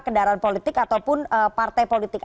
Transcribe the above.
kendaraan politik ataupun partai politik